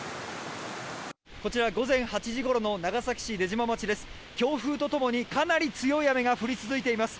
こちら午前８時ごろの長崎市出島町です。